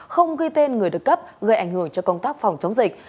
không ghi tên người được cấp gây ảnh hưởng cho công tác phòng chống dịch